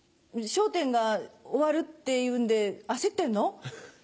『笑点』が終わるっていうんで焦ってんの？